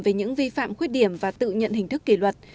về những vi phạm khuyết điểm và tự nhận hình thức kỷ luật